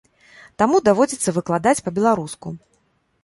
Таму даводзіцца выкладаць па-беларуску.